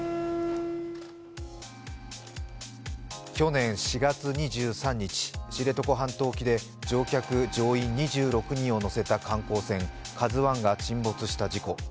去年４月２３日、知床半島沖で乗客・乗員１６人を乗せた観光船「ＫＡＺＵⅠ」が沈没した事故。